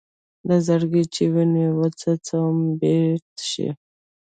له زړګي چې وينه وڅڅوم بېت شي.